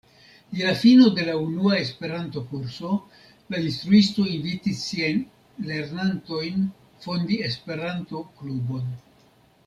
Je la fino de la unua Esperanto-kurso la instruisto invitis siajn lernantojn fondi Esperanto-klubon.